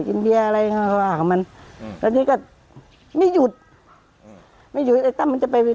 อินเดียอะไรเขาก็ว่ากับมันอืมแล้วนี่ก็ไม่หยุดอืมไม่หยุดไอ้ตั้มมันจะไป